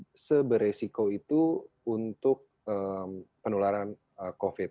jadi kita tidak terlalu seberesiko itu untuk penularan covid